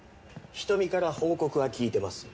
人見から報告は聞いてます